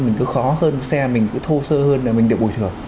mình cứ khó hơn xe mình cứ thô sơ hơn là mình được bồi thường